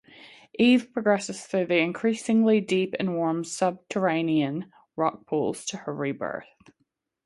Eve progresses through the increasingly deep and warm subterranean rock pools to her rebirth.